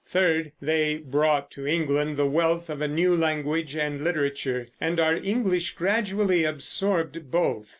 Third, they brought to England the wealth of a new language and literature, and our English gradually absorbed both.